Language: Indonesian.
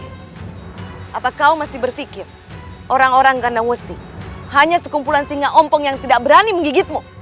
hai apa kau masih berpikir orang orang kandang wesi hanya sekumpulan singa ompong yang tidak berani menggigitmu